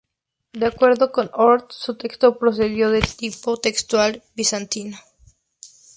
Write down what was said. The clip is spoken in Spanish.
De acuerdo con Hort, su texto precedió al tipo textual bizantino.